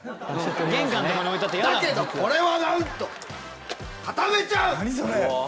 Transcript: だけどこれはなんと畳めちゃう！